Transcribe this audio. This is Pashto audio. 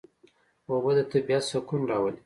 اوبه د طبیعت سکون راولي.